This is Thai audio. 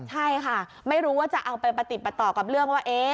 ใช่ค่ะไม่รู้ว่าจะเอาไปประติดประต่อกับเรื่องว่า